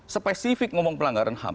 spesifik ngomong pelanggaran ham